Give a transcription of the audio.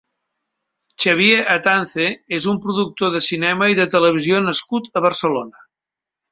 Xavier Atance és un productor de cinema i de televisió nascut a Barcelona.